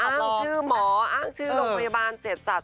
อ้างชื่อหมออ้างชื่อโรงพยาบาลเจ็ดสัตว